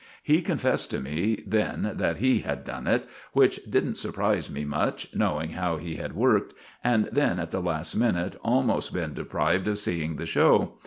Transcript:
He confessed to me then that he had done it, which didn't surprise me much, knowing how he had worked, and then at the last minute almost been deprived of seeing the show.